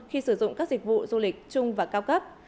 khi sử dụng các dịch vụ du lịch chung và cao cấp